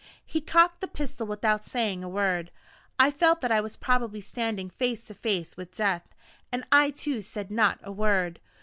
He cocked the pistol without saying a word. I felt that I was probably standing face to face with death, and I too said not a word.